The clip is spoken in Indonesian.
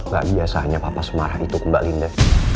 gak biasa hanya papa semarah itu mbak linda